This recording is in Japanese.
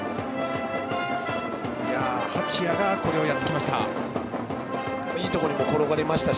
八谷がこれをやってきました。